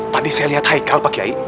tadi saya lihat haikal pak kiai